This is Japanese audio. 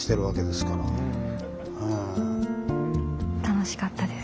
楽しかったです。